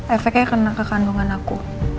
efeknya kena kekandungan aku